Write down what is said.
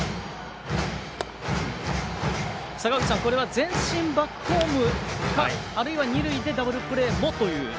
坂口さん、これは前進バックホームかあるいは二塁でダブルプレーもという。